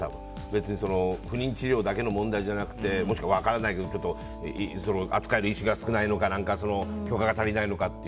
別に、不妊治療だけの問題じゃなくてもしくは、分からないけど扱える医師が少ないのか許可が足りないのか。